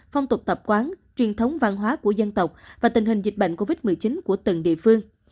phong tục tập quán truyền thống văn hóa của dân tộc và tình hình dịch bệnh covid một mươi chín của từng địa phương